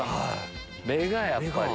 目がやっぱり。